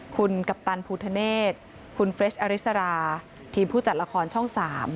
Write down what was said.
คุณกัปตันภูทะเนธคุณเฟรชอริสราทีมผู้จัดละครช่อง๓